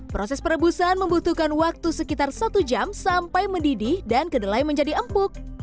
proses perebusan membutuhkan waktu sekitar satu jam sampai mendidih dan kedelai menjadi empuk